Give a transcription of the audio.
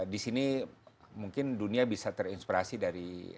di sini mungkin dunia bisa terinspirasi dari